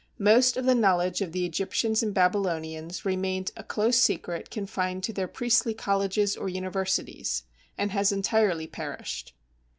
Most of the knowledge of the Egyptians and Babylonians remained a close secret confined to their priestly colleges or universities, and has entirely perished.